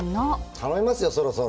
頼みますよそろそろ。